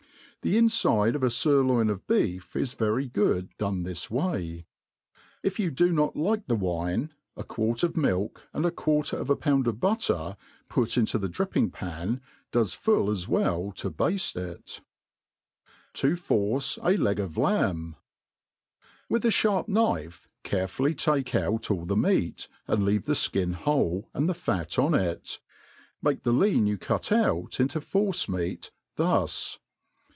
The infide of a furloin of beef is very good done this way. If you do not like the ^ine, a quart of milk, and a quarter of a pound of butter, put into the dripping pan, does full as well to bafte it« 5 ^Td MADE PLAIN ANI> EA^Y. ji To farce a Leg ef Lamb, ^» WITH a (harp knife carefully take out all the meat, and leave the Ikin whole and the fat on it, make th^ lean you cur out. into force meat thus